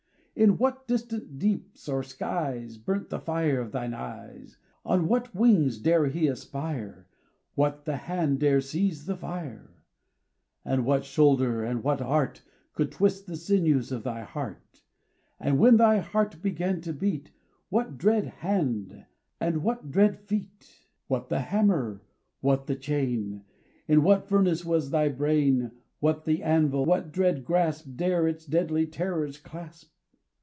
In what distant deeps or skies Burnt the fire of thine eyes? On what wings dare he aspire? What the hand dare seize the fire? And what shoulder, and what art, Could twist the sinews of thy heart? And when thy heart began to beat, What dread hand and what dread feet? What the hammer? what the chain? In what furnace was thy brain? What the anvil? What dread grasp Dare its deadly terrors clasp?